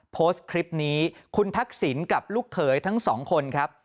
โพสต์คลิปนี้คุณทักษิณกับลูกเขยทั้งสองคนครับ